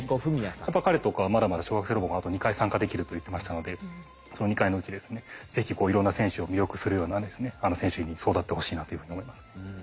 やっぱり彼とかまだまだ小学生ロボコンあと２回参加できると言ってましたのでその２回のうちですね是非いろんな選手を魅力するような選手に育ってほしいなというふうに思いますね。